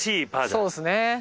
そうですね。